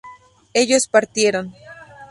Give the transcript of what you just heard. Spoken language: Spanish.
ellos partieron